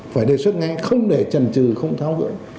phải đề xuất ngay không để trần trừ không tháo gỡ